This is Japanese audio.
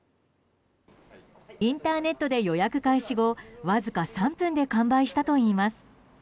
インターネットで予約開始後わずか３分で完売したといいます。